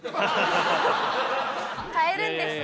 買えるんですね。